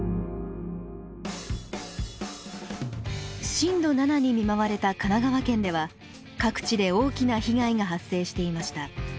震度７に見舞われた神奈川県では各地で大きな被害が発生していました。